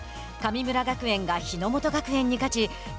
神村学園が日ノ本学園に勝ち